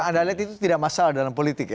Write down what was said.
nah anda lihat itu tidak masalah dalam politik